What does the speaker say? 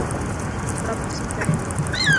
ڪپڙا پسند ڪري لي.